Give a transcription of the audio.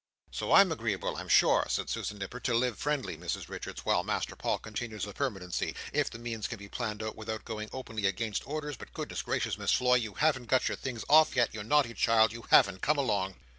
"So I'm agreeable, I'm sure," said Susan Nipper, "to live friendly, Mrs Richards, while Master Paul continues a permanency, if the means can be planned out without going openly against orders, but goodness gracious Miss Floy, you haven't got your things off yet, you naughty child, you haven't, come along!"